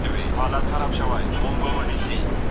زده کوونکي له مودې راهیسې زده کړه کوي.